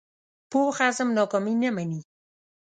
پوخ عزم ناکامي نه مني